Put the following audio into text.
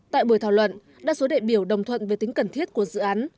tại buổi thảo luận đa số đại biểu đồng thuận về tính cần thiết của dự án